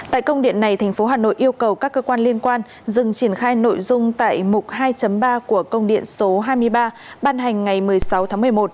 tại công điện này thành phố hà nội yêu cầu các cơ quan liên quan dừng triển khai nội dung tại mục hai ba của công điện số hai mươi ba ban hành ngày một mươi sáu tháng một mươi một